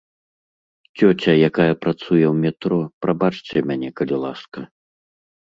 Цёця, якая працуе ў метро, прабачце мяне, калі ласка.